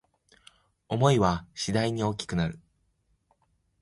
想いは次第に大きくなる